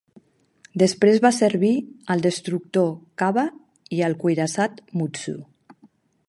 Després va servir al destructor "Kaba" i al cuirassat "Mutsu".